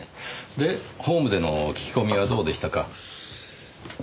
でホームでの聞き込みはどうでしたか？